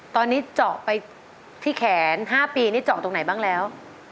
ตอนนี้เจาะไปที่แขน๕ปีนี่เจาะตรงไหนบ้างแล้ว